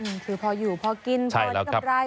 คือพออยู่พอกินพออันตราบ